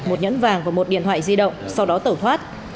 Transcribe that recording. một nhẫn vàng và một điện thoại di động sau đó tẩu thoát